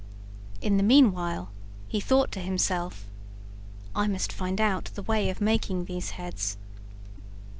In the meanwhile he thought to himself, "I must find out the way of making these heads."